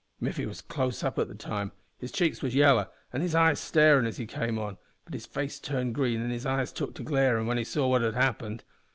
Miffy was close up at the time. His cheeks was yaller an' his eyes starin' as he came on, but his face turned green and his eyes took to glarin' when he saw what had happened.